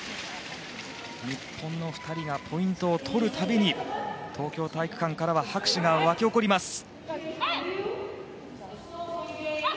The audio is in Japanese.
日本の２人がポイントを取る度に東京体育館からは拍手が沸き起こります。